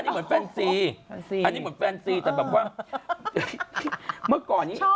นี่เหมือนแฟนซีอันนี้เหมือนแฟนซีแต่แบบว่าเมื่อก่อนนี้